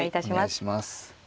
お願いします。